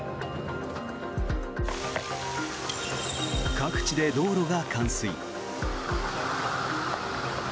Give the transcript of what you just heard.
各地で道路が冠水。